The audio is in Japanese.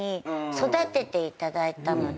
育てていただいたので。